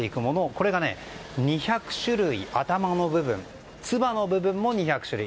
これが２００種類頭の部分ツバの部分も２００種類。